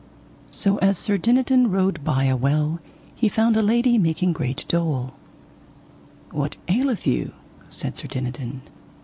So as Sir Dinadan rode by a well he found a lady making great dole. What aileth you? said Sir Dinadan.